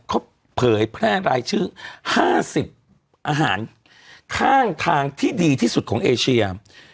เขาเผยแพร่รายชื่อ๕๐อาหารข้างทางที่ดีที่สุดของเอเชีย